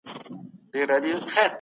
سياستپوهنه يوازي د قدرت کارول نه دي.